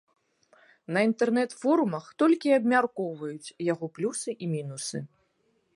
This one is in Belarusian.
На інтэрнэт-форумах толькі і абмяркоўваюць яго плюсы і мінусы.